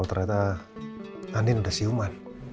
ternyata andien udah siuman